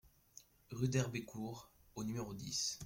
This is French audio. Rue d'Herbécourt au numéro dix